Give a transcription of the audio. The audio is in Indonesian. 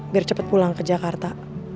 biar cepat pulang ke jakarta